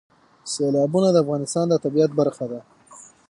سیلابونه د افغانستان د طبیعت برخه ده.